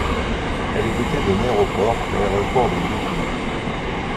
Elle est dotée d'un aéroport, l'aéroport de Douqm.